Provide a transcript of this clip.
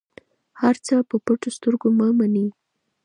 هر څه په پټو سترګو مه منئ.